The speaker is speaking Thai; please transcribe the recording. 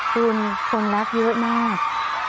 คุณคนรักเยอะมาก